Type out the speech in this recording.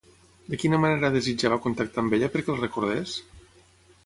De quina manera desitjava contactar amb ella perquè el recordés?